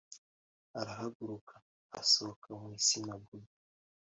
Arahaguruka asohoka mu isinagogi